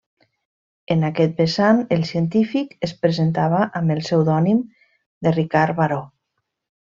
En aquest vessant, el científic es presentava amb el pseudònim de Ricard Baró.